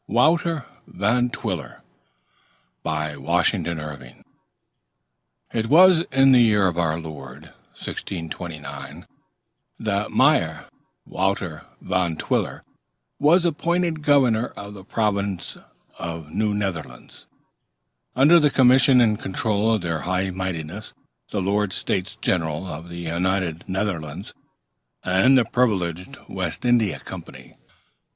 '" WOUTER VAN TWILLER BY WASHINGTON IRVING It was in the year of our Lord 1629 that Mynheer Wouter Van Twiller was appointed governor of the province of Nieuw Nederlandts, under the commission and control of their High Mightinesses the Lords States General of the United Netherlands, and the privileged West India Company.